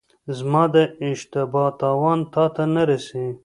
زما د اشتبا تاوان تاته نه رسي.